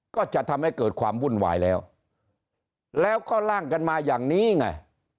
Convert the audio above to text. ก็จะทำให้เกิดความวุ่นวายแล้วแล้วก็ล่างกันมาอย่างนี้ไง